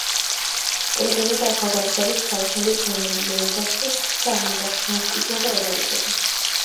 იკრიბებოდა ახალგაზრდობის თაოსნობით რომელიმე ოჯახში და ამ ოჯახს მასპინძლობა ევალებოდა.